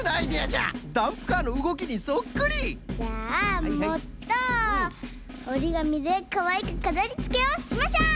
じゃあもっとおりがみでかわいくかざりつけをしましょう！